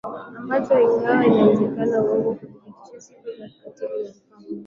ambacho ingawa inawezekana uongo huthibitisha sifa ya kikatili ya mfalme